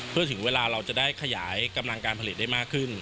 เพื่อถึงเวลาเราจะได้ขยายกำลังการผลิตได้มากขึ้น